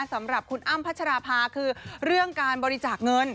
สำหรับคุณอ้ำพัชราภาคือเรื่องการบริจาคเงิน